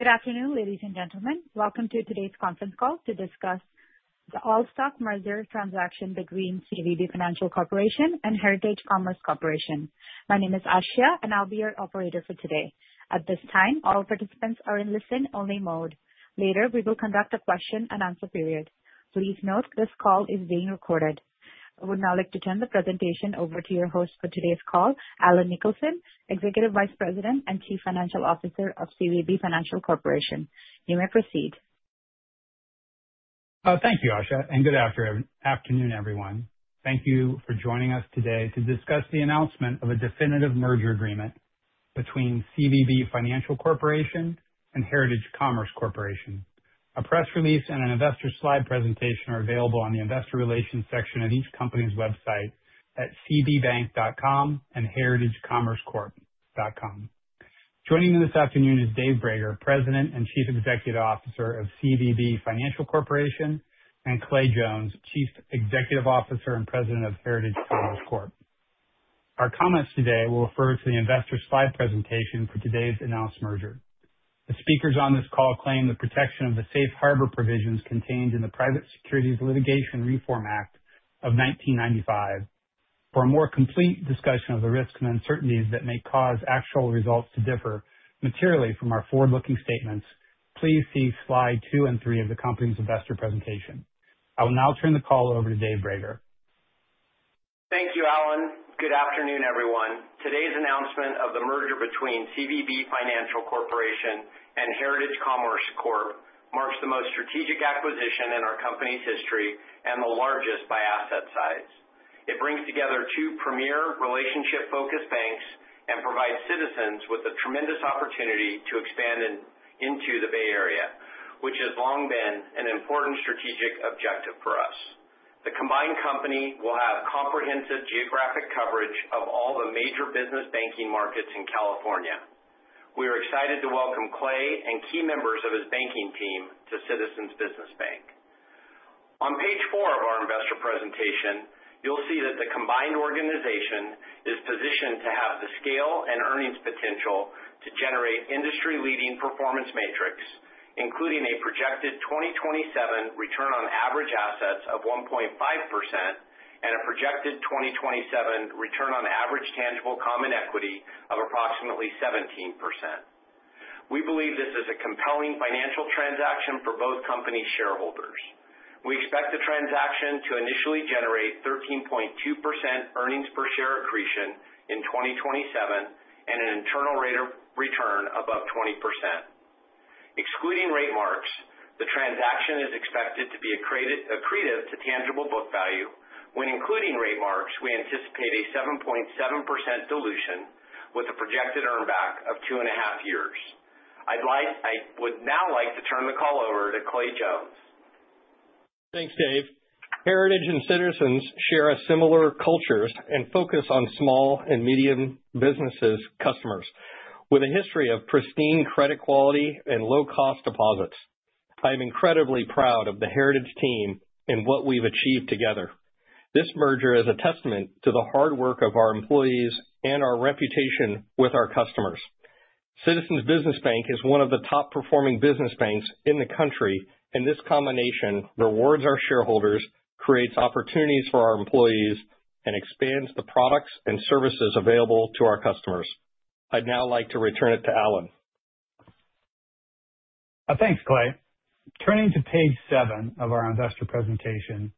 Good afternoon, ladies and gentlemen. Welcome to today's conference call to discuss the all-stock merger transaction between CVB Financial Corporation and Heritage Commerce Corporation. My name is Ashia, and I'll be your operator for today. At this time, all participants are in listen-only mode. Later, we will conduct a question-and-answer period. Please note this call is being recorded. I would now like to turn the presentation over to your host for today's call, Allen Nicholson, Executive Vice President and Chief Financial Officer of CVB Financial Corporation. You may proceed. Thank you, Ashia. Good afternoon, everyone. Thank you for joining us today to discuss the announcement of a definitive merger agreement between CVB Financial Corporation and Heritage Commerce Corporation. A press release and an investor slide presentation are available on the investor relations section of each company's website at cbbank.com and heritagecommercecorp.com. Joining me this afternoon is Dave Brager, President and Chief Executive Officer of CVB Financial Corporation, and Clay Jones, Chief Executive Officer and President of Heritage Commerce Corp. Our comments today will refer to the investor slide presentation for today's announced merger. The speakers on this call claim the protection of the safe harbor provisions contained in the Private Securities Litigation Reform Act of 1995. For a more complete discussion of the risks and uncertainties that may cause actual results to differ materially from our forward-looking statements, please see slide two and three of the company's investor presentation. I will now turn the call over to Dave Brager. Thank you, Allen. Good afternoon, everyone. Today's announcement of the merger between CVB Financial Corporation and Heritage Commerce Corp. marks the most strategic acquisition in our company's history and the largest by asset size. It brings together two premier relationship-focused banks and provides Citizens with a tremendous opportunity to expand into the Bay Area, which has long been an important strategic objective for us. The combined company will have comprehensive geographic coverage of all the major business banking markets in California. We are excited to welcome Clay and key members of his banking team to Citizens Business Bank. On page four of our investor presentation, you'll see that the combined organization is positioned to have the scale and earnings potential to generate industry-leading performance metrics, including a projected 2027 return on average assets of 1.5% and a projected 2027 return on average tangible common equity of approximately 17%. We believe this is a compelling financial transaction for both companies' shareholders. We expect the transaction to initially generate 13.2% earnings per share accretion in 2027 and an internal rate of return above 20%. Excluding rate marks, the transaction is expected to be accretive to tangible book value. When including rate marks, we anticipate a 7.7% dilution with a projected earn-back of two and a half years. I would now like to turn the call over to Clay Jones. Thanks, Dave. Heritage and Citizens share a similar culture and focus on small and medium business customers with a history of pristine credit quality and low-cost deposits. I am incredibly proud of the Heritage team and what we've achieved together. This merger is a testament to the hard work of our employees and our reputation with our customers. Citizens Business Bank is one of the top-performing business banks in the country, and this combination rewards our shareholders, creates opportunities for our employees, and expands the products and services available to our customers. I'd now like to return it to Allen. Thanks, Clay. Turning to page seven of our investor presentation,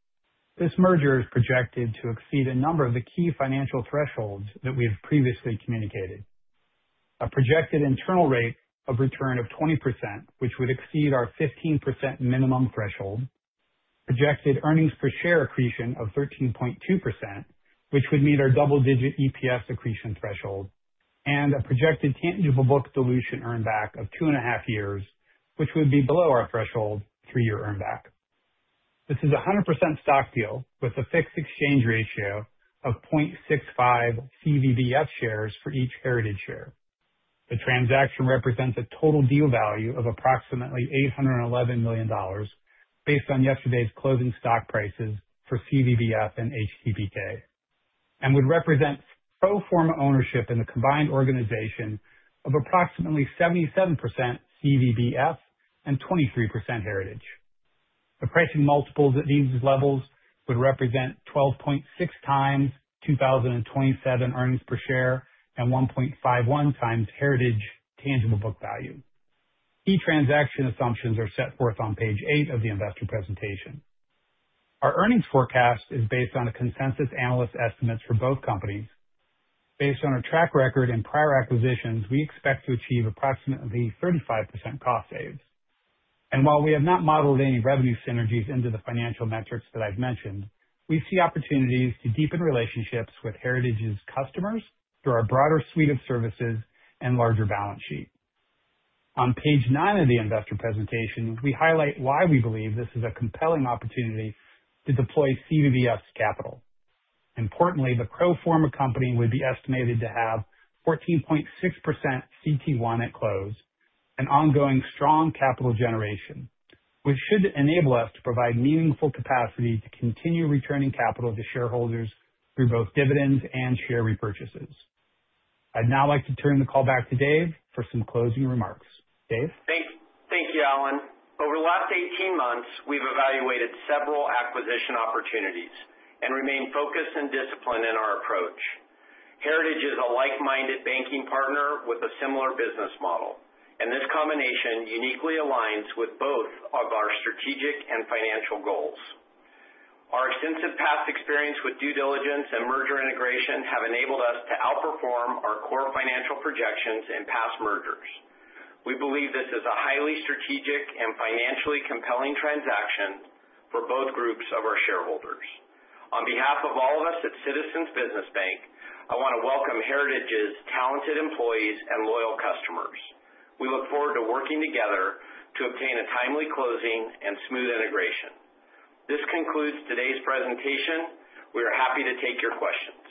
this merger is projected to exceed a number of the key financial thresholds that we've previously communicated. A projected internal rate of return of 20%, which would exceed our 15% minimum threshold. Projected earnings per share accretion of 13.2%, which would meet our double-digit EPS accretion threshold. And a projected tangible book dilution earn-back of 2.5 years, which would be below our threshold three-year earn-back. This is a 100% stock deal with a fixed exchange ratio of 0.65 CVBF shares for each Heritage share. The transaction represents a total deal value of approximately $811 million based on yesterday's closing stock prices for CVBF and HTBK, and would represent pro forma ownership in the combined organization of approximately 77% CVBF and 23% Heritage. The pricing multiples at these levels would represent 12.6x 2027 earnings per share and 1.51x Heritage tangible book value. Key transaction assumptions are set forth on page eight of the investor presentation. Our earnings forecast is based on a consensus analysts' estimates for both companies. Based on our track record and prior acquisitions, we expect to achieve approximately 35% cost saves. And while we have not modeled any revenue synergies into the financial metrics that I've mentioned, we see opportunities to deepen relationships with Heritage's customers through our broader suite of services and larger balance sheet. On page nine of the investor presentation, we highlight why we believe this is a compelling opportunity to deploy CVBF's capital. Importantly, the pro forma company would be estimated to have 14.6% CET1 at close and ongoing strong capital generation, which should enable us to provide meaningful capacity to continue returning capital to shareholders through both dividends and share repurchases. I'd now like to turn the call back to Dave for some closing remarks. Dave? Thank you, Allen. Over the last 18 months, we've evaluated several acquisition opportunities and remained focused and disciplined in our approach. Heritage is a like-minded banking partner with a similar business model, and this combination uniquely aligns with both of our strategic and financial goals. Our extensive past experience with due diligence and merger integration has enabled us to outperform our core financial projections in past mergers. We believe this is a highly strategic and financially compelling transaction for both groups of our shareholders. On behalf of all of us at Citizens Business Bank, I want to welcome Heritage's talented employees and loyal customers. We look forward to working together to obtain a timely closing and smooth integration. This concludes today's presentation. We are happy to take your questions.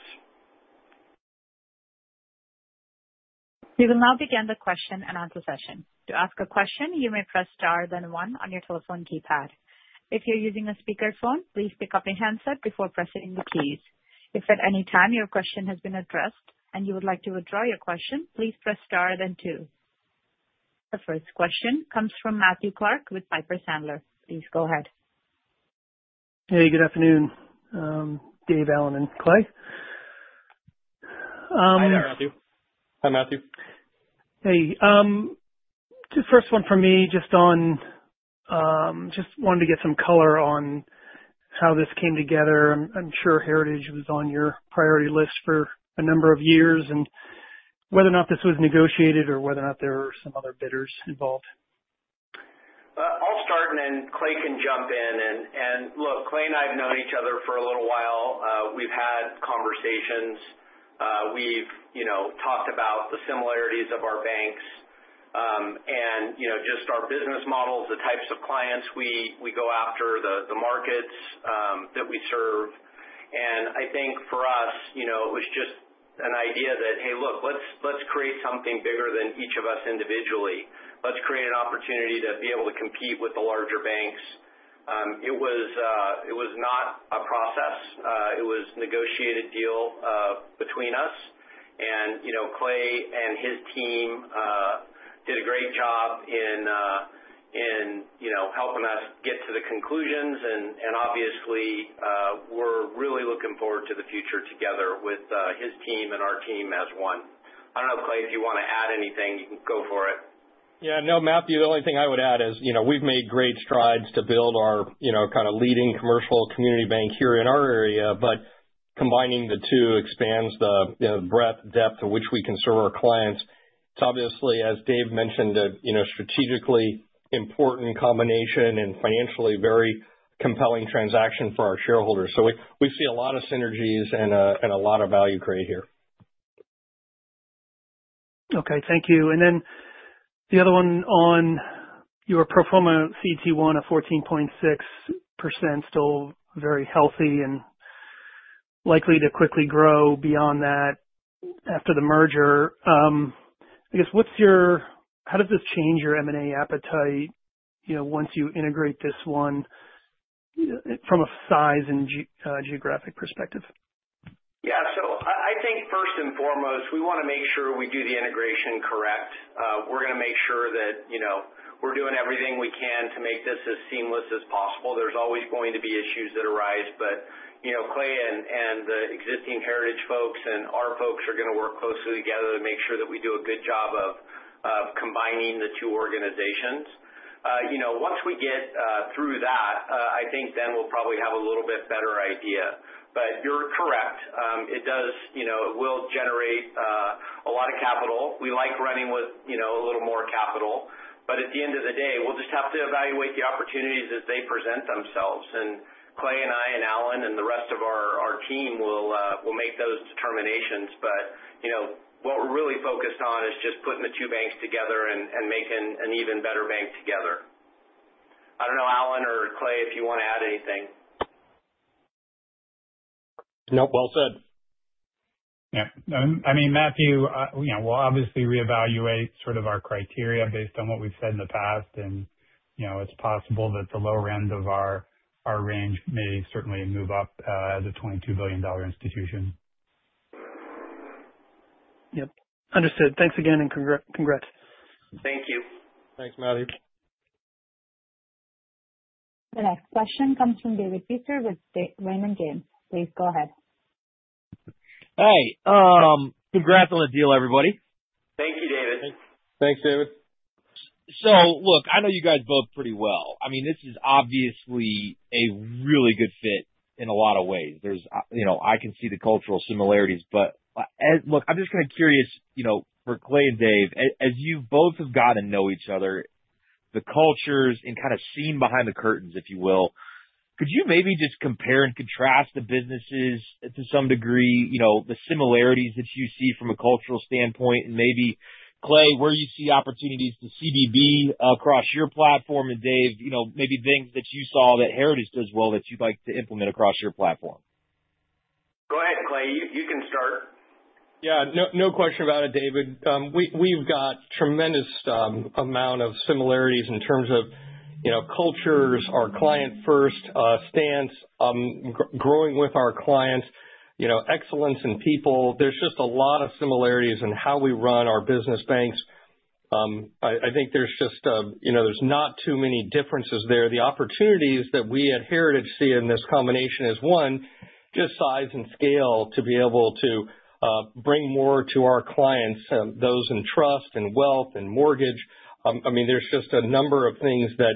We will now begin the question and answer session. To ask a question, you may press star then one on your telephone keypad. If you're using a speakerphone, please pick up a handset before pressing the keys. If at any time your question has been addressed and you would like to withdraw your question, please press star then two. The first question comes from Matthew Clark with Piper Sandler. Please go ahead. Hey, good afternoon, Dave, Allen, and Clay. Hi, Matthew. Hi, Matthew. Hey. First one for me, just wanted to get some color on how this came together. I'm sure Heritage was on your priority list for a number of years, and whether or not this was negotiated or whether or not there were some other bidders involved. I'll start, and then Clay can jump in. And look, Clay and I have known each other for a little while. We've had conversations. We've talked about the similarities of our banks and just our business models, the types of clients we go after, the markets that we serve. And I think for us, it was just an idea that, "Hey, look, let's create something bigger than each of us individually. Let's create an opportunity to be able to compete with the larger banks." It was not a process. It was a negotiated deal between us. And Clay and his team did a great job in helping us get to the conclusions. And obviously, we're really looking forward to the future together with his team and our team as one. I don't know, Clay, if you want to add anything, you can go for it. Yeah. No, Matthew, the only thing I would add is we've made great strides to build our kind of leading commercial community bank here in our area, but combining the two expands the breadth and depth to which we can serve our clients. It's obviously, as Dave mentioned, a strategically important combination and financially very compelling transaction for our shareholders. So we see a lot of synergies and a lot of value created here. Okay. Thank you. And then the other one on your pro forma CET1 of 14.6%, still very healthy and likely to quickly grow beyond that after the merger. I guess, how does this change your M&A appetite once you integrate this one from a size and geographic perspective? Yeah. So I think first and foremost, we want to make sure we do the integration correct. We're going to make sure that we're doing everything we can to make this as seamless as possible. There's always going to be issues that arise, but Clay and the existing Heritage folks and our folks are going to work closely together to make sure that we do a good job of combining the two organizations. Once we get through that, I think then we'll probably have a little bit better idea. But you're correct. It will generate a lot of capital. We like running with a little more capital, but at the end of the day, we'll just have to evaluate the opportunities as they present themselves. And Clay and I and Allen and the rest of our team will make those determinations. But what we're really focused on is just putting the two banks together and making an even better bank together. I don't know, Allen or Clay, if you want to add anything. Nope. Well said. Yeah. I mean, Matthew, we'll obviously reevaluate sort of our criteria based on what we've said in the past, and it's possible that the lower end of our range may certainly move up as a $22 billion institution. Yep. Understood. Thanks again, and congrats. Thank you. Thanks, Matthew. The next question comes from David Feaster with Raymond James. Please go ahead. Hey. Congrats on the deal, everybody. Thank you, David. Thanks, David. So look, I know you guys both pretty well. I mean, this is obviously a really good fit in a lot of ways. I can see the cultural similarities, but look, I'm just kind of curious for Clay and Dave, as you both have gotten to know each other, the cultures and kind of seen behind the curtains, if you will. Could you maybe just compare and contrast the businesses to some degree, the similarities that you see from a cultural standpoint, and maybe, Clay, where you see opportunities to CBB across your platform, and Dave, maybe things that you saw that Heritage does well that you'd like to implement across your platform? Go ahead, Clay. You can start. Yeah. No question about it, David. We've got a tremendous amount of similarities in terms of cultures, our client-first stance, growing with our clients, excellence in people. There's just a lot of similarities in how we run our business banks. I think there's just not too many differences there. The opportunities that we at Heritage see in this combination is, one, just size and scale to be able to bring more to our clients, those in trust and wealth and mortgage. I mean, there's just a number of things that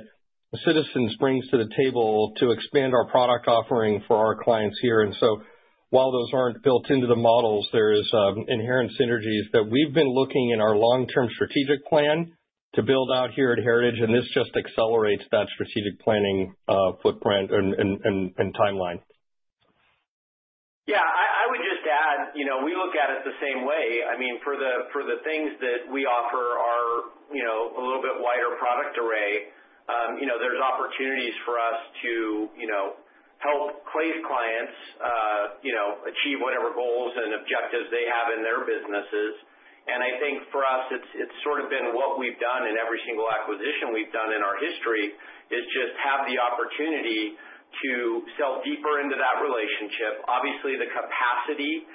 Citizens brings to the table to expand our product offering for our clients here. And so while those aren't built into the models, there are inherent synergies that we've been looking in our long-term strategic plan to build out here at Heritage, and this just accelerates that strategic planning footprint and timeline. Yeah. I would just add we look at it the same way. I mean, for the things that we offer, a little bit wider product array, there's opportunities for us to help Clay's clients achieve whatever goals and objectives they have in their businesses. And I think for us, it's sort of been what we've done in every single acquisition we've done in our history is just have the opportunity to sell deeper into that relationship. Obviously, the capacity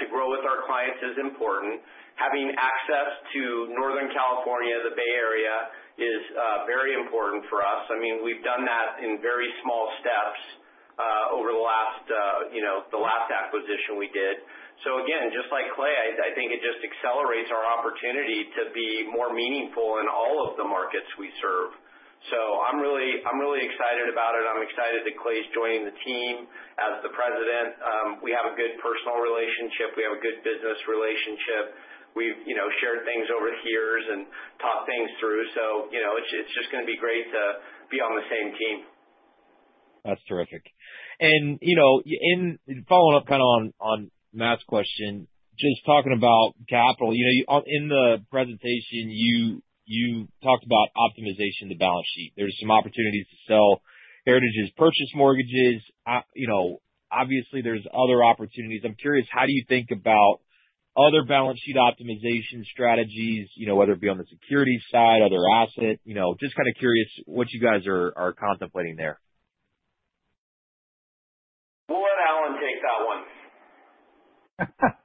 to grow with our clients is important. Having access to Northern California, the Bay Area, is very important for us. I mean, we've done that in very small steps over the last acquisition we did. So again, just like Clay, I think it just accelerates our opportunity to be more meaningful in all of the markets we serve. So I'm really excited about it. I'm excited that Clay's joining the team as the president. We have a good personal relationship. We have a good business relationship. We've shared things over the years and talked things through. So it's just going to be great to be on the same team. That's terrific, and following up kind of on Matt's question, just talking about capital, in the presentation, you talked about optimization of the balance sheet. There's some opportunities to sell Heritage's purchase mortgages. Obviously, there's other opportunities. I'm curious, how do you think about other balance sheet optimization strategies, whether it be on the security side, other asset? Just kind of curious what you guys are contemplating there? Go ahead, Allen. Take that one.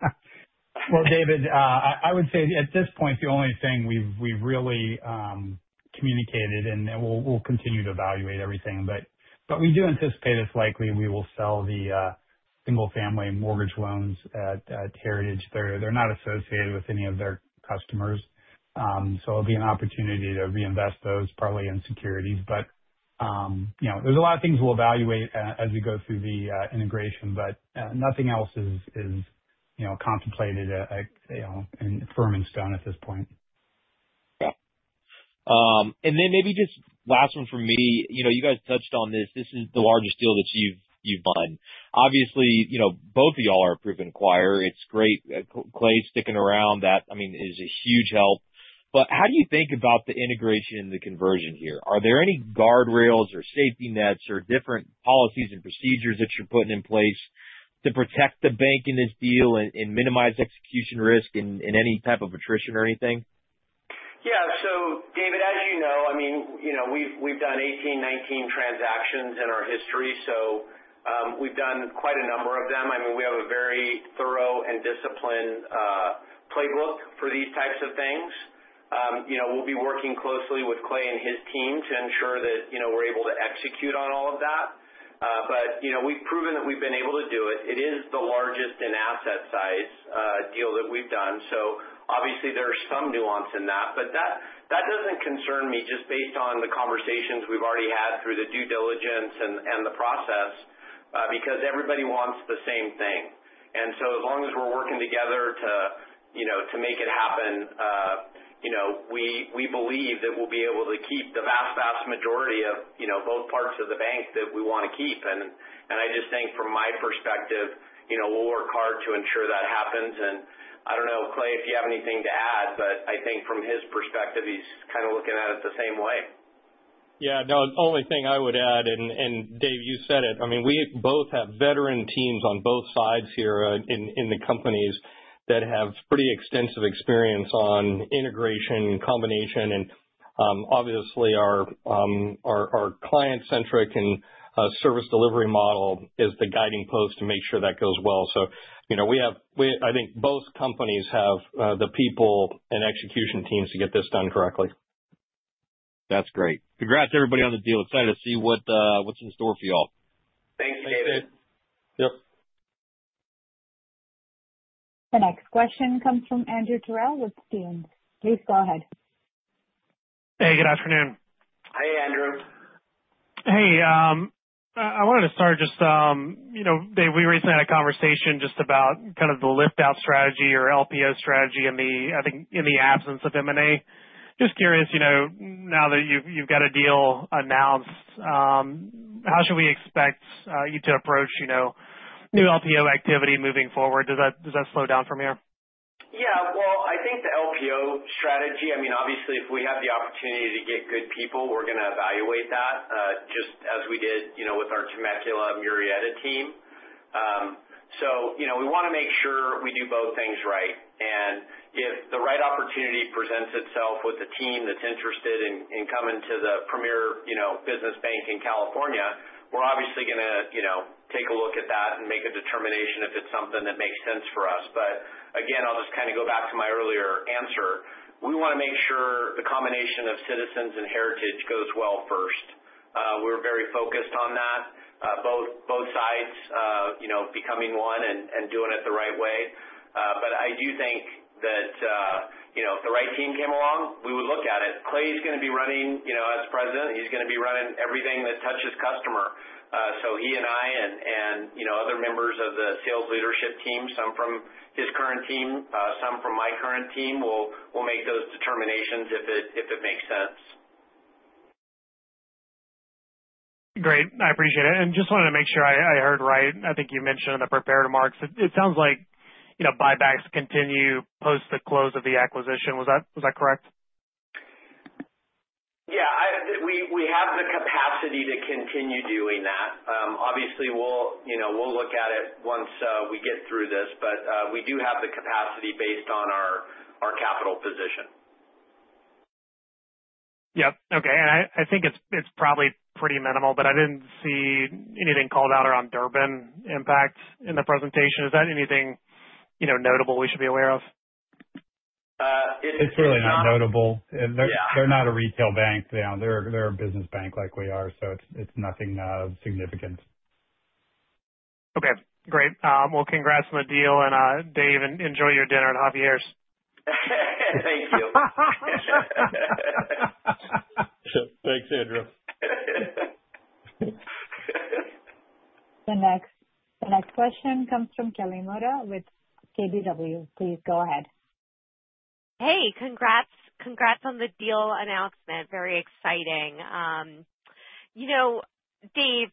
Well, David, I would say at this point, the only thing we've really communicated, and we'll continue to evaluate everything, but we do anticipate it's likely we will sell the single-family mortgage loans at Heritage. They're not associated with any of their customers. So it'll be an opportunity to reinvest those, probably in securities. But there's a lot of things we'll evaluate as we go through the integration, but nothing else is contemplated in set in stone at this point. Okay. And then maybe just last one for me. You guys touched on this. This is the largest deal that you've done. Obviously, both of y'all are proven acquirer. It's great. Clay sticking around, I mean, is a huge help. But how do you think about the integration and the conversion here? Are there any guardrails or safety nets or different policies and procedures that you're putting in place to protect the bank in this deal and minimize execution risk in any type of attrition or anything? Yeah. So David, as you know, I mean, we've done 18, 19 transactions in our history, so we've done quite a number of them. I mean, we have a very thorough and disciplined playbook for these types of things. We'll be working closely with Clay and his team to ensure that we're able to execute on all of that. But we've proven that we've been able to do it. It is the largest in asset size deal that we've done. So obviously, there's some nuance in that, but that doesn't concern me just based on the conversations we've already had through the due diligence and the process because everybody wants the same thing. And so as long as we're working together to make it happen, we believe that we'll be able to keep the vast, vast majority of both parts of the bank that we want to keep. And I just think from my perspective, we'll work hard to ensure that happens. And I don't know, Clay, if you have anything to add, but I think from his perspective, he's kind of looking at it the same way. Yeah. No, the only thing I would add, and Dave, you said it. I mean, we both have veteran teams on both sides here in the companies that have pretty extensive experience on integration and combination. And obviously, our client-centric and service delivery model is the guiding post to make sure that goes well. So I think both companies have the people and execution teams to get this done correctly. That's great. Congrats to everybody on the deal. Excited to see what's in store for y'all. Thanks, David. Thanks, Dave. Yep. The next question comes from Andrew Terrell with Stephens. Please go ahead. Hey, good afternoon. Hey, Andrew. Hey. I wanted to start just, Dave. We recently had a conversation just about kind of the lift-out strategy or LPO strategy in the absence of M&A. Just curious, now that you've got a deal announced, how should we expect you to approach new LPO activity moving forward? Does that slow down from here? Yeah. Well, I think the LPO strategy, I mean, obviously, if we have the opportunity to get good people, we're going to evaluate that just as we did with our Temecula Murrieta team. So we want to make sure we do both things right. And if the right opportunity presents itself with a team that's interested in coming to the premier business bank in California, we're obviously going to take a look at that and make a determination if it's something that makes sense for us. But again, I'll just kind of go back to my earlier answer. We want to make sure the combination of Citizens and Heritage goes well first. We're very focused on that, both sides becoming one and doing it the right way. But I do think that if the right team came along, we would look at it. Clay's going to be running as president. He's going to be running everything that touches customer. So he and I and other members of the sales leadership team, some from his current team, some from my current team, we'll make those determinations if it makes sense. Great. I appreciate it. And just wanted to make sure I heard right. I think you mentioned in the prepared remarks, it sounds like buybacks continue post the close of the acquisition. Was that correct? Yeah. We have the capacity to continue doing that. Obviously, we'll look at it once we get through this, but we do have the capacity based on our capital position. Yep. Okay. And I think it's probably pretty minimal, but I didn't see anything called out around Durbin impact in the presentation. Is that anything notable we should be aware of? It's really not notable. They're not a retail bank. They're a business bank like we are, so it's nothing of significance. Okay. Great. Well, congrats on the deal, and Dave, enjoy your dinner at Javier's. Thank you. Thanks, Andrew. The next question comes from Kelly Motta with KBW. Please go ahead. Hey, congrats on the deal announcement. Very exciting. Dave,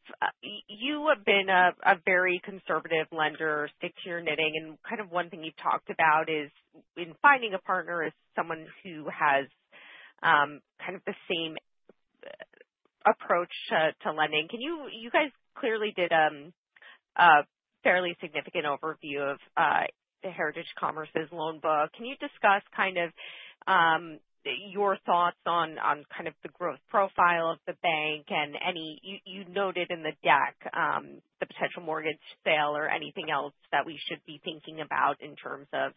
you have been a very conservative lender, stick to your knitting, and kind of one thing you've talked about is in finding a partner is someone who has kind of the same approach to lending. You guys clearly did a fairly significant overview of the Heritage Commerce's loan book. Can you discuss kind of your thoughts on kind of the growth profile of the bank and any you noted in the deck, the potential mortgage sale or anything else that we should be thinking about in terms of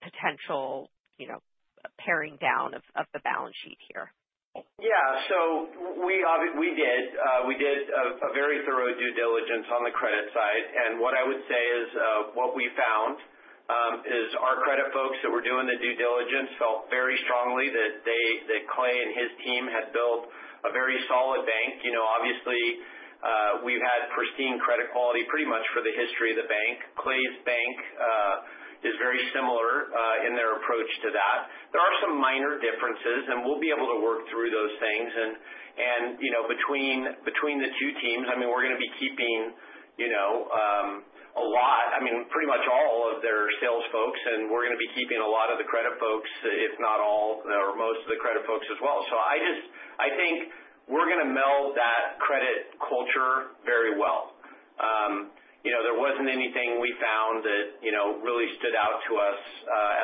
potential paring down of the balance sheet here? Yeah. So we did. We did a very thorough due diligence on the credit side. And what I would say is what we found is our credit folks that were doing the due diligence felt very strongly that Clay and his team had built a very solid bank. Obviously, we've had pristine credit quality pretty much for the history of the bank. Clay's bank is very similar in their approach to that. There are some minor differences, and we'll be able to work through those things. And between the two teams, I mean, we're going to be keeping a lot, I mean, pretty much all of their sales folks, and we're going to be keeping a lot of the credit folks, if not all, or most of the credit folks as well. So I think we're going to meld that credit culture very well. There wasn't anything we found that really stood out to us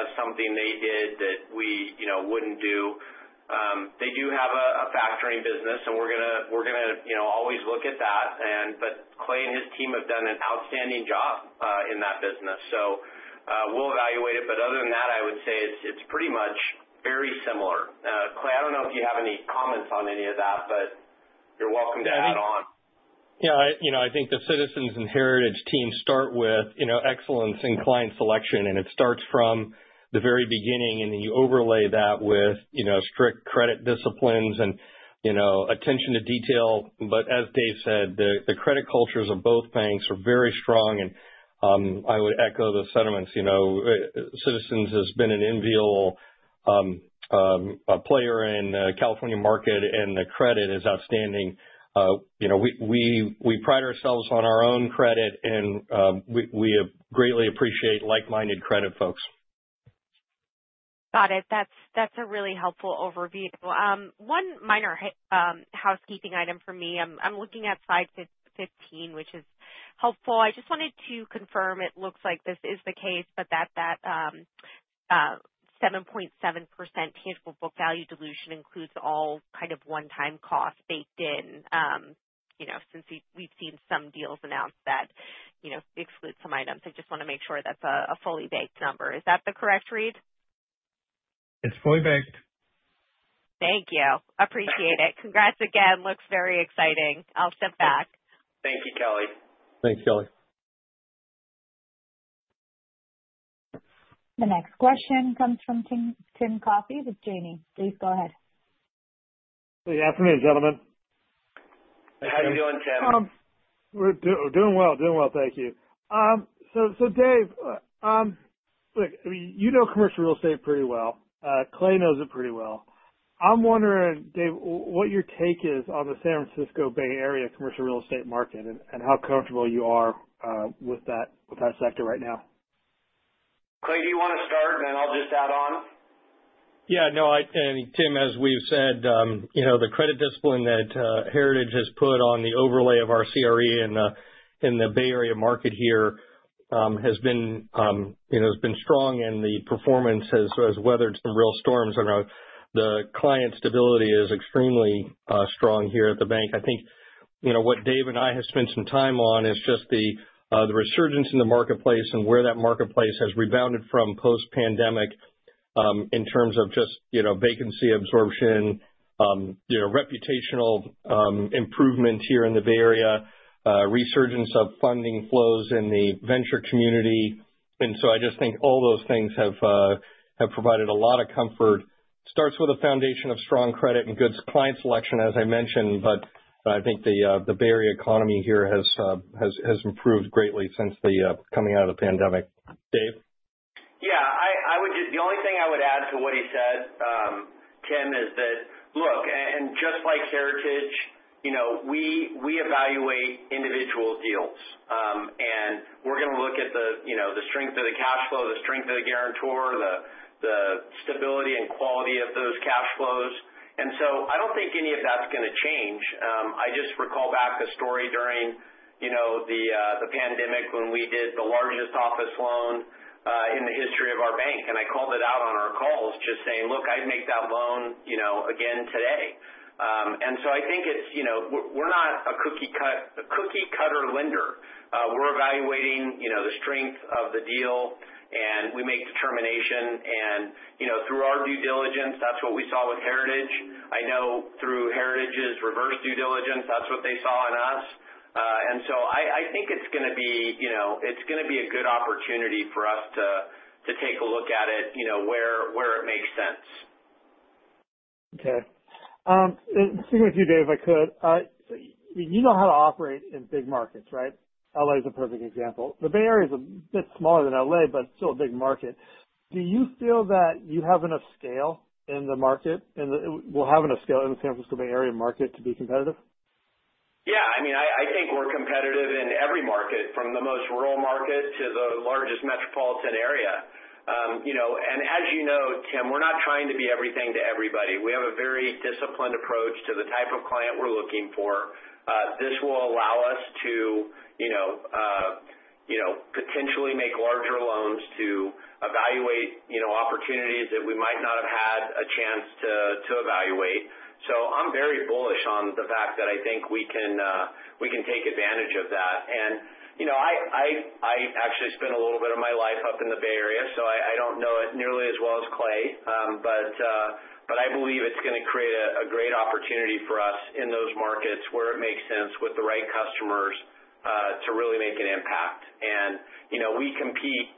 as something they did that we wouldn't do. They do have a factoring business, and we're going to always look at that. But Clay and his team have done an outstanding job in that business. So we'll evaluate it. But other than that, I would say it's pretty much very similar. Clay, I don't know if you have any comments on any of that, but you're welcome to add on. Yeah. I think the Citizens and Heritage team start with excellence in client selection, and it starts from the very beginning, and then you overlay that with strict credit disciplines and attention to detail. But as Dave said, the credit cultures of both banks are very strong. And I would echo the sentiments. Citizens has been an inviolable player in the California market, and the credit is outstanding. We pride ourselves on our own credit, and we greatly appreciate like-minded credit folks. Got it. That's a really helpful overview. One minor housekeeping item for me. I'm looking at slide 15, which is helpful. I just wanted to confirm it looks like this is the case, but that 7.7% tangible book value dilution includes all kind of one-time costs baked in since we've seen some deals announce that exclude some items. I just want to make sure that's a fully baked number. Is that the correct read? It's fully baked. Thank you. Appreciate it. Congrats again. Looks very exciting. I'll step back. Thank you, Kelly. Thanks, Kelly. The next question comes from Tim Coffey with Janney. Please go ahead. Good afternoon, gentlemen. How are you doing, Tim? Doing well. Doing well. Thank you. So Dave, look, you know commercial real estate pretty well. Clay knows it pretty well. I'm wondering, Dave, what your take is on the San Francisco Bay Area commercial real estate market and how comfortable you are with that sector right now. Clay, do you want to start, and then I'll just add on? Yeah. No, I think, Tim, as we've said, the credit discipline that Heritage has put on the overlay of our CRE in the Bay Area market here has been strong, and the performance has weathered some real storms. The client stability is extremely strong here at the bank. I think what Dave and I have spent some time on is just the resurgence in the marketplace and where that marketplace has rebounded from post-pandemic in terms of just vacancy absorption, reputational improvement here in the Bay Area, resurgence of funding flows in the venture community. And so I just think all those things have provided a lot of comfort. Starts with a foundation of strong credit and good client selection, as I mentioned, but I think the Bay Area economy here has improved greatly since the coming out of the pandemic. Dave? Yeah. The only thing I would add to what he said, Tim, is that, look, and just like Heritage, we evaluate individual deals, and we're going to look at the strength of the cash flow, the strength of the guarantor, the stability and quality of those cash flows. And so I don't think any of that's going to change. I just recall back a story during the pandemic when we did the largest office loan in the history of our bank. And I called it out on our calls just saying, "Look, I'd make that loan again today." And so I think we're not a cookie-cutter lender. We're evaluating the strength of the deal, and we make determination. And through our due diligence, that's what we saw with Heritage. I know through Heritage's reverse due diligence, that's what they saw in us. And so I think it's going to be a good opportunity for us to take a look at it where it makes sense. Okay. Speaking with you, Dave, if I could, you know how to operate in big markets, right? LA is a perfect example. The Bay Area is a bit smaller than LA, but still a big market. Do you feel that you have enough scale in the market and will have enough scale in the San Francisco Bay Area market to be competitive? Yeah. I mean, I think we're competitive in every market, from the most rural market to the largest metropolitan area. And as you know, Tim, we're not trying to be everything to everybody. We have a very disciplined approach to the type of client we're looking for. This will allow us to potentially make larger loans to evaluate opportunities that we might not have had a chance to evaluate. So I'm very bullish on the fact that I think we can take advantage of that. And I actually spent a little bit of my life up in the Bay Area, so I don't know it nearly as well as Clay, but I believe it's going to create a great opportunity for us in those markets where it makes sense with the right customers to really make an impact. And we compete,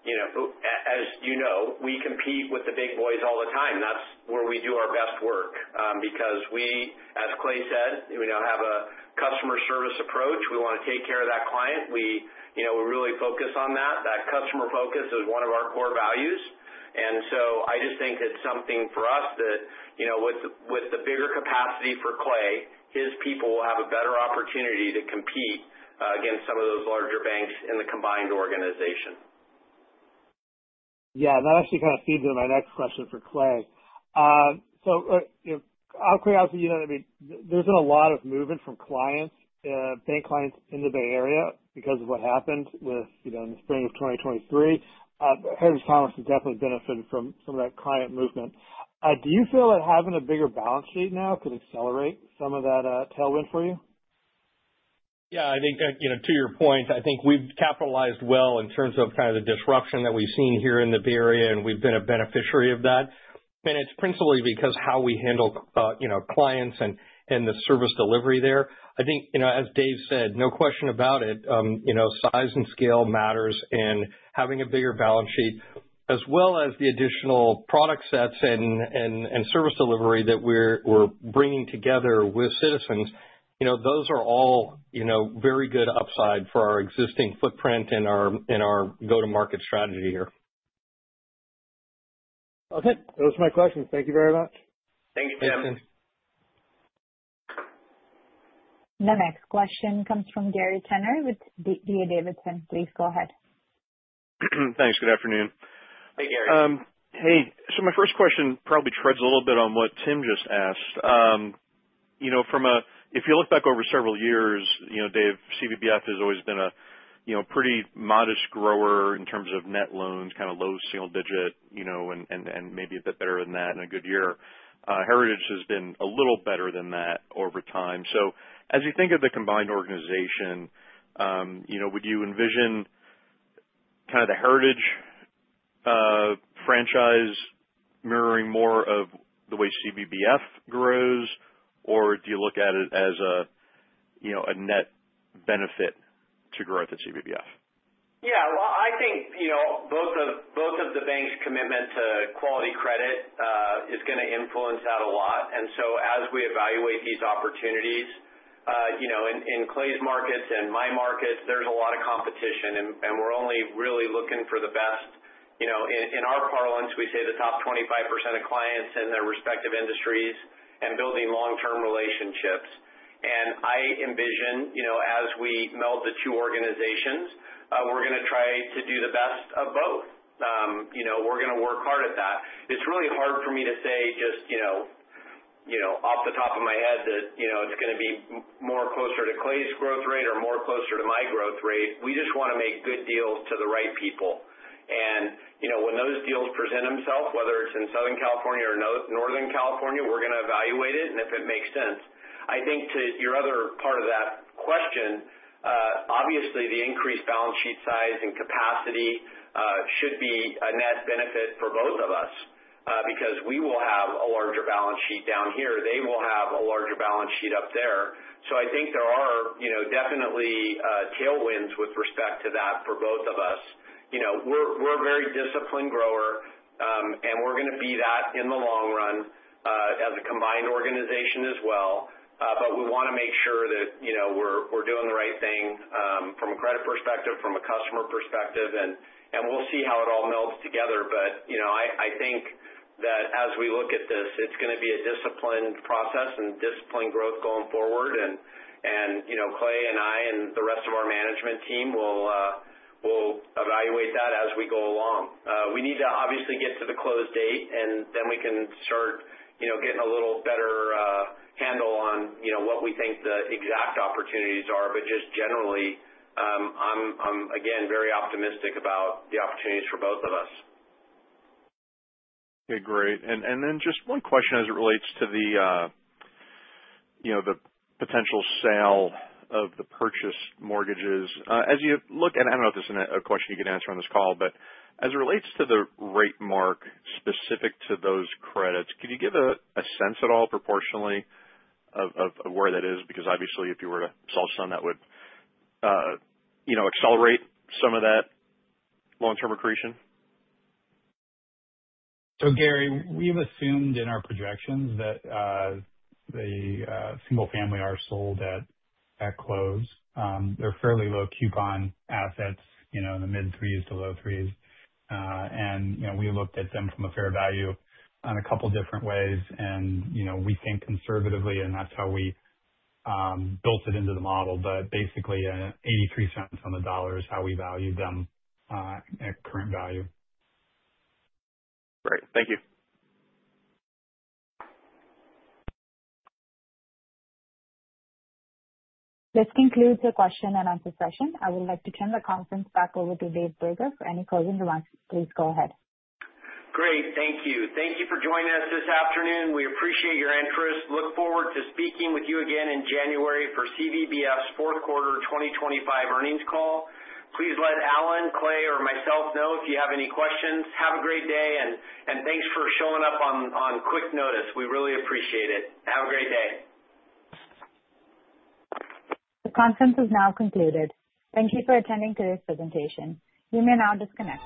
as you know, with the big boys all the time. That's where we do our best work because we, as Clay said, have a customer service approach. We want to take care of that client. We really focus on that. That customer focus is one of our core values. And so I just think it's something for us that with the bigger capacity for Clay, his people will have a better opportunity to compete against some of those larger banks in the combined organization. Yeah. And that actually kind of feeds into my next question for Clay. So I'll clear out for you that there's been a lot of movement from clients, bank clients in the Bay Area because of what happened in the spring of 2023. Heritage Commerce has definitely benefited from some of that client movement. Do you feel that having a bigger balance sheet now could accelerate some of that tailwind for you? Yeah. I think to your point, I think we've capitalized well in terms of kind of the disruption that we've seen here in the Bay Area, and we've been a beneficiary of that. And it's principally because of how we handle clients and the service delivery there. I think, as Dave said, no question about it, size and scale matters, and having a bigger balance sheet, as well as the additional product sets and service delivery that we're bringing together with Citizens, those are all very good upside for our existing footprint and our go-to-market strategy here. Okay. Those are my questions. Thank you very much. Thank you, Tim. The next question comes from Gary Tenner with D.A. Davidson. Please go ahead. Thanks. Good afternoon. Hey, Gary. Hey. So my first question probably treads a little bit on what Tim just asked. If you look back over several years, Dave, CVBF has always been a pretty modest grower in terms of net loans, kind of low single digit, and maybe a bit better than that in a good year. Heritage has been a little better than that over time. So as you think of the combined organization, would you envision kind of the Heritage franchise mirroring more of the way CVBF grows, or do you look at it as a net benefit to growth at CVBF? Yeah. Well, I think both of the banks' commitment to quality credit is going to influence that a lot. And so as we evaluate these opportunities, in Clay's markets and my markets, there's a lot of competition, and we're only really looking for the best. In our parlance, we say the top 25% of clients in their respective industries and building long-term relationships. And I envision, as we meld the two organizations, we're going to try to do the best of both. We're going to work hard at that. It's really hard for me to say just off the top of my head that it's going to be more closer to Clay's growth rate or more closer to my growth rate. We just want to make good deals to the right people. And when those deals present themselves, whether it's in Southern California or Northern California, we're going to evaluate it and if it makes sense. I think to your other part of that question, obviously, the increased balance sheet size and capacity should be a net benefit for both of us because we will have a larger balance sheet down here. They will have a larger balance sheet up there. So I think there are definitely tailwinds with respect to that for both of us. We're a very disciplined grower, and we're going to be that in the long run as a combined organization as well. But we want to make sure that we're doing the right thing from a credit perspective, from a customer perspective, and we'll see how it all melds together. But I think that as we look at this, it's going to be a disciplined process and disciplined growth going forward. And Clay and I and the rest of our management team will evaluate that as we go along. We need to obviously get to the close date, and then we can start getting a little better handle on what we think the exact opportunities are. But just generally, I'm, again, very optimistic about the opportunities for both of us. Okay. Great, and then just one question as it relates to the potential sale of the purchased mortgages. As you look at, and I don't know if this is a question you can answer on this call, but as it relates to the rate mark specific to those credits, could you give a sense at all proportionally of where that is? Because obviously, if you were to sell some, that would accelerate some of that long-term accretion. So Gary, we've assumed in our projections that the single-family are sold at close. They're fairly low-coupon assets in the mid-threes to low-threes. And we looked at them from a fair value on a couple of different ways. And we think conservatively, and that's how we built it into the model. But basically, $0.83 on the dollar is how we value them at current value. Great. Thank you. This concludes the question and answer session. I would like to turn the conference back over to Dave Brager. For any closing remarks, please go ahead. Great. Thank you. Thank you for joining us this afternoon. We appreciate your interest. Look forward to speaking with you again in January for CVBF's fourth quarter 2025 earnings call. Please let Allen, Clay, or myself know if you have any questions. Have a great day, and thanks for showing up on quick notice. We really appreciate it. Have a great day. The conference is now concluded. Thank you for attending today's presentation. You may now disconnect.